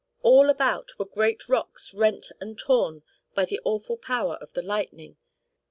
All about were great rocks rent and torn by the awful power of the lightning.